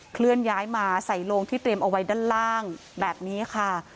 เคลื่อนย้ายมาใส่โลงที่เตรียมเอาไว้ด้านล่างแบบนี้ค่ะ